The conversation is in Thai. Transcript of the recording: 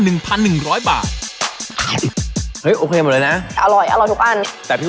เอาเป็นยังไงครับพี่